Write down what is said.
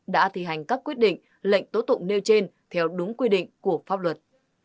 đã thi hành các quyết định lệnh tố tụng nêu trên theo đúng quy định của pháp luật